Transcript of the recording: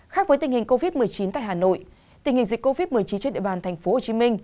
khác với tình hình covid một mươi chín tại hà nội tình hình dịch covid một mươi chín trên địa bàn tp hcm